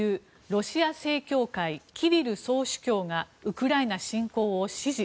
ロシア正教会、キリル総主教がウクライナ侵攻を支持。